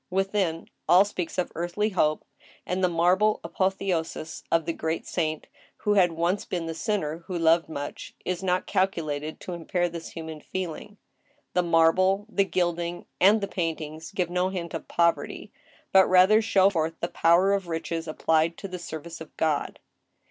Within, all speaks of earthly hope, and the marble apotheosis of the great saint, who had once been the sinner who loved much, is not calculated to impair this human feeling. The marble, the gilding, and the paintings give no hint of poverty, but rather show forth the power of riches applied to the service of God.